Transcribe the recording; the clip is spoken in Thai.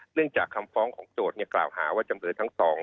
เนื่องจากคำฟ้องของโจทย์เกาะหาว่าจะเมล็ดทั้งสอง